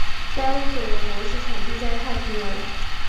该物种的模式产地在太平洋。